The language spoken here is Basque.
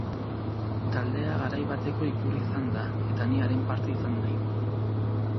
Taldea garai bateko ikur izan da, eta ni haren parte izan naiz.